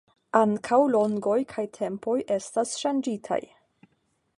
Ankaŭ longoj kaj tempoj estas ŝanĝitaj.